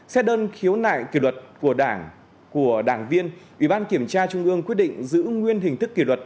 bảy xét đơn khiếu nại kiểu luật của đảng viên ủy ban kiểm tra trung ương quyết định giữ nguyên hình thức kiểu luật